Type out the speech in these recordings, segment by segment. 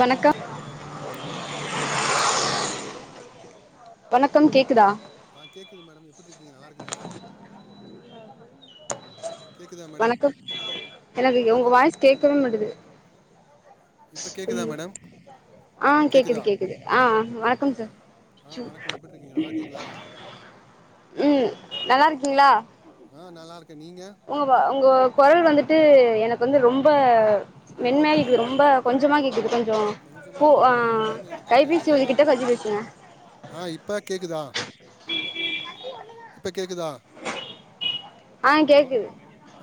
வணக்கம் வணக்கம் மேடம் அப்புறோ எப்படி இருக்கீங்க நல்லா இருக்கீங்களா வணக்கம் கேக்குதா ஆஹ் கேக்குது மேடம் எப்புட்ருக்கீங்க நல்லா இருக்கீங்களா கேட்குதா மேடம் வணக்கம் ஹலோ வி உங்க கேட்குது வாய்ஸ் கேட்கவே மாட்டது இப்போ ஹ் கேட்குதா ம் மேடம் ஆஹ் கேக்குது கேட்குதா கேக்குது ஆஹ் ம் வணக்கம் சார் ஆ சொ வணக்கம் எப்படி இருக்கீங்க நல்லா இருக்கீங்களா உம் நல்லா இருக்கீங்களா ஆ நல்லா இருக் உங்கப உங்கோ கொரல் வந்துட்டு எனக்கு வந்து ரொம்ப லோவாக மென்மையா கேக்குது கேட்குதா ரொம்ப கொஞ்சமா கேக்குது கொஞ்சோ பூ கொஞ்சமாக ஆ கேட்குதா ஏன்னு எனக்கும் கைப்பேசி தெரியல ஏன்னு உதுக்கிட்ட கொஞ்ச பேசுவே ஆ இப்போ கேட்குதா இப்ப கேக்குதா ஆ ஹலோ கேக்குது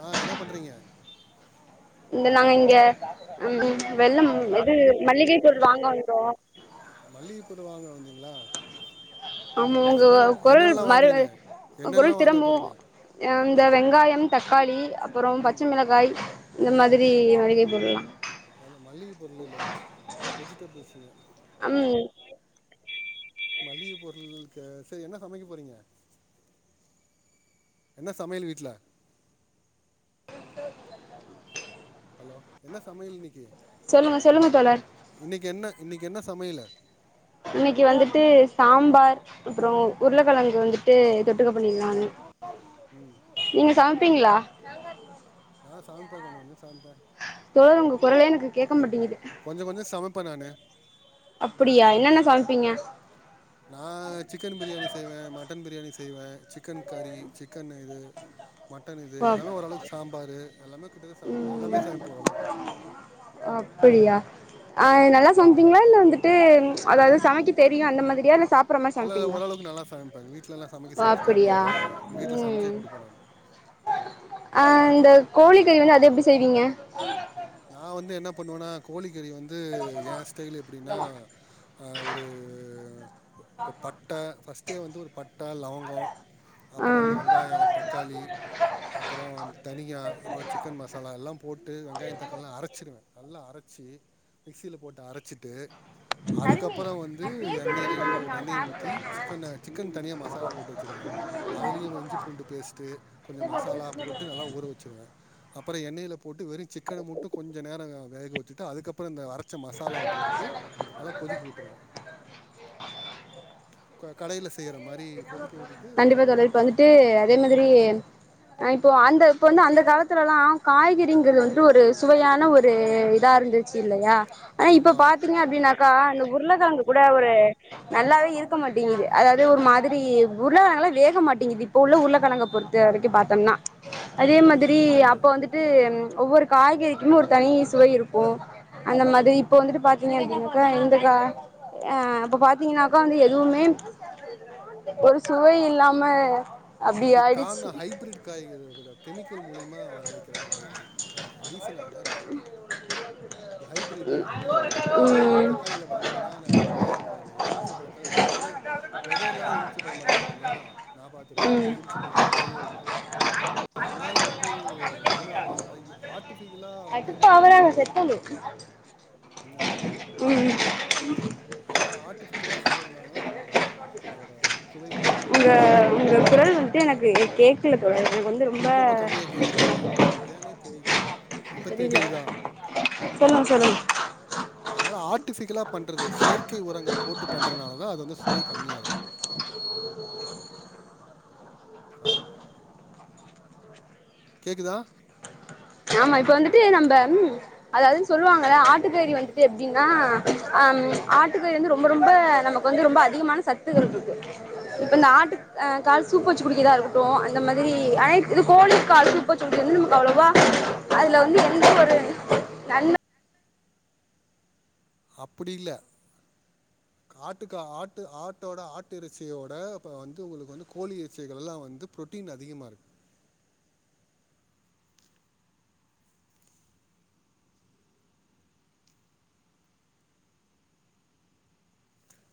ஆ என்ன பண்றீங்க இந்த நாங்க இங்க ம் வெள்ளம் இது மல்லிகை பொருள் வாங்க வந்தோ ங்களா ஆமா உங்க குரல் என்னென்னலாம் மறு வாங்குறீங்க பொருள் என்னென்னலாம் வாங்க திறமு போகிறீங்க இந்த வெங்காயம் தக்காளி அப்புறோம் ம் பச்ச மிளகாய் இந்த மாதிரி [unintelligible] விலா அது மல்லிக பொருள் இல்ல அது வெஜிடபிள்ஸ்சுங்க ம் மளிக பொருள் க செரி என்ன சமைக்க போறீங்க என்ன சமையல் வீட்ல ஹலோ என்னா சமையல் இன்னிக்கி சொல்லுங்க சொல்லுங்க தோளர் சமையலா இன்னிக்கு வந்துட்டு சாம்பார் அப்புறோ ம் உர்ளக்கெழங்கு வந்துட் டே தொட்டுக்க பண்ணிர்லானு ம் ம் நீங்க சாப் பீங்ளா அ சமப்பே கொஞ்சோ கொஞ்சோ சமப்பே அ உங்க கொரலே எனக்கு கேக்க மாட்டிங்குது ப நானு அப்பிடியா என்னென்னா சாமைப்பீங்க நா சிக்கனு பிரியாணி செய்வே மட்டன் பிரியாணி செய்வே சிக்கன் கறி சிக்கன் இது மட் பா கிட்டத்தட்ட சமைப்பேன் ம் எல்லாமே சமைப்பேன் ஓரளவுக்கு அப்பிடியா அ ஆ நல்லா சம்ப்பீங்ளா இல்ல வந்துட்டு அதாது சமைக்க தெரியு அந்த மாதிரியா இல்ல சாப் அல்லல்ல ஒரளவுக்கு நல்லா சம ப எங் வீ வீட்லல்லா சமக்க ஓ சொல்லி அப்படியா கேப்பாங்க வீட்ல சம்ச்சே ம் குடுப்பே நானு கோழி கறி வந்து அது எப்டி செய்வீங்க நா வந்து என்ன பண்ணுவேனா கோழி கறி வந்து ஏ ஸ்டைல் எப்டின்னா ஹ ஒரு இப்போ பட்ட ஃபஸ்ட்டே வந்து ஒரு பட்ட லவங்கம் அப்புறம் ஆ வந்து வெங்காயம் தக்காளி அப்புறம் தனியா அப்புறம் சிக்கன் மசாலா எல்லாம் போட்டு வெங்காயம் த அதல்லா அறச்சுடுவேன் நல்லா அரச்சி மிக்சியில் போட்டு அரைச்சிட்டு அதுக்கப்புறம் வந்து எண்ணெயிலயோ எண்ணெய ஊத்தி சிக்கன் தனியாக மசாலா போட்டு வச்சிருவேன் அதுலயும் இஞ்சி பூண்டு பேஸ்ட்டு கொஞ்சம் மசாலா போட்டு நல்லா ஊற வச்சுிருவேன் அப்புறம் எண்ணெயில போட்டு வெறும் சிக்கன மட்டும் அது கொஞ்ச நேரம் வேக வச்சுட்டு அதுக்கப்புறம் அப்புறம் இந்த அரைச்ச மசாலாவ போட்டுட்டு நல்லா கொதிக்க விட்டுருவேன் க கடைல கண்டிப்பா தோழரே இப்ப நா- வந்துட்டு அதே மாதிரி ந இப்போ அந்த இப்போ வந்து அந்த காலத்துலலாம் காய்கறிங்கிறது வந்துட்டு ஒரு சுவையான ஒரு இதாக இருந்துச்சு இல்லையா ஆனா இப்ப ஆமாம் பாத்தீங்க அப்படின்னாக்கா அந்த உருளகிளங்கு கூட ஒரு நல்லாவே இருக்க ம் மாட்டேங்குது அதாவ ப்டியே ஒரு மாதிரி சரி உருளைக்கழங்கல்லாம் வேக மாட்டேங்குது இப்ப உள்ள உருளைக்கழங்க பொறுத்த வரைக்கும் பாார்த்தோம்னா அதே ஆ, மாதிரி அப்போ ஆமாம் வந்துட்டு ஒவ்வொரு காய்கறிக்குமே ஒரு தனி சுவை இருக்கும் அப்போ அந்த ம் மாதிரி இப்ப வந்துட்டு பா க்கா இந்தக்க ஆஹ் இப்ப பாத்தீங்கன்னாக்கா வந்து எதுவுமே ஒரு சுவை இல்லாம அப்டி அது ஆயிடுச்சு காரணம் ஹைப்ரட் காய்யில்ல மேடம் கெமிக்கல் மூலியம் வரவைக்கிர காய்கள் ரிசன் அதாகாரணம் இது ஹைபிரிட் நீ ங்க இப்ப போய் ம் தக்காளீள பாத்துங்கனா வித இருக்காது எலுமிச்சம் பழத்த வித இல்லாத எலுமிச்சம் பாத்திருகிங்களா நா பாத்துருக்கேன் உள்ள எலுமிச்ச பலதுல விதையே இருக்காது அது மாதிரி வந்து அதனாலதான் அத ஆர்டிபிஷியலா வந்து நம்ம கடுப்பாவுறாங்க செத்தணு என்ங்கங்க எல்லாம் ஆர்ட்டிபிஷியலா செய்யறதுனாலதான் அதோட அதோட சுவைகளும் உங்க கம்மியாகுது உங்க குரல் வந்துட்டு எனக்கு கேக்கல தொழறே அதுக்கு வந்து ரொம்ப கேக்குதா எனக்கு ஏனே தெரியல இப்ப தெரில கேக்குதா சொல்லுங்க சொல்லுங்க அதனால ஆட் பிசிகலா பண்றது செயற்கை உரங்கள் போட்டு பண்றதால தான் அது வந்து சுவை கம்மியா இருக்கு ஹலோ கேக்குதா ஆமா இப்ப வந்துட்டு நம்ம அதாவதுன்னு சொல்லுவாங்கல்ல ஆ ஆட்டுக்கறி வந்துட்டு எப்டின்னா ஆஹ்ம் ஆட்டுக்கறி வந்து ரொம்ப ரொம்ப நமக்கு வந்து ரொம்ப அதிகமான சத்துகள் இருக்கு இப்ப ம் அந்த ஆட்டு அ கால் சூப்பு வெச்சு குடிக்கறதா இருக்கட்டும் இந்த மாதிரி ஆனா இத் இது கோழி கால் சூப்பு வச்சி குடிக்கறது வந்து அவ்ளோவா அதுல வந்து எந்த ஒரு நன்ம அப்டி இல்ல ஆட்டுக்கா ஆட்டு ஆட்டோட ஆட்டு இறச்சியோட இப்ப வந்து உங்களுக்கு வந்து கோலி இறச்சிகல்லா வந்து புரோட்டீன் அதிகமா இருக்கு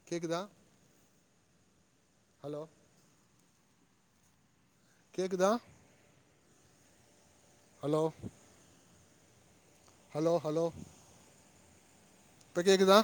கேக்குதா ஹலோ கேக்குதா ஹலோ ஹலோ ஹலோ இப்ப கேக்குதா